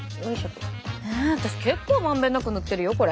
私結構満遍なく塗ってるよこれ。